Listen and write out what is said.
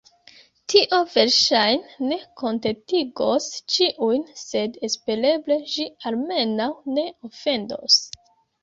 Tio verŝajne ne kontentigos ĉiujn, sed espereble ĝi almenaŭ ne ofendos.